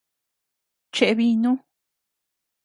Cheʼe binu.